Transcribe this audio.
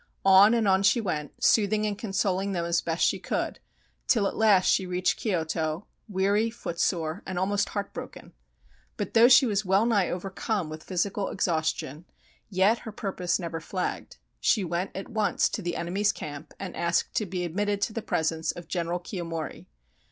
On and on she went, soothing and consoling them as best she could, till at last she reached Kyoto, weary, footsore, and almost heart broken. But though she was well nigh overcome with physical exhaustion, yet her purpose never flagged. She went at once to the enemy's camp and asked to be admitted to the presence of Gen eral Kiyomori.